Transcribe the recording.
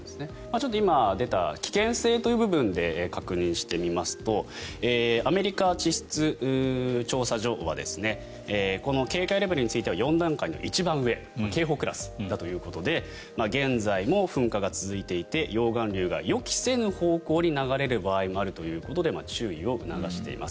今、出た危険性という部分で確認してみますとアメリカ地質調査所はこの警戒レベルについては４段階の一番上警報クラスだということで現在も噴火が続いていて溶岩流が予期せぬ方向に流れる場合もあるということで注意を促しています。